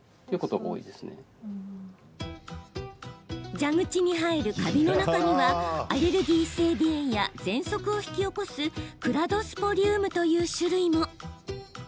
蛇口に生えるカビの中にはアレルギー性鼻炎やぜんそくを引き起こすクラドスポリウムという種類も。